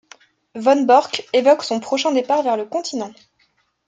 Von Bork évoque son prochain départ vers le continent.